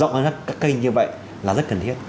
rộng hơn các kênh như vậy là rất cần thiết